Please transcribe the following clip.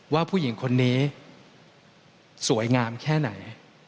ว่าผู้หญิงคนนี้สวยงามแค่ไหน